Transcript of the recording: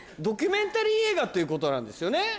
ドキュメンタリー映画っていうことなんですよね？